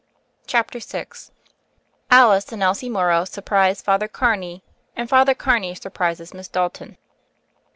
CHAPTER VI ALICE AND ELSIE MORROW SURPRISE FATHEm CARNEY, AND FATHER CARNEY SURPRISES MISS DALTON.